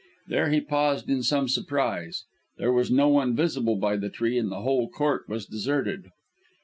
There he paused in some surprise; there was no one visible by the tree and the whole court was quite deserted.